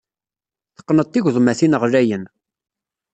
Teqqneḍ-d tigeḍmatin ɣlayen.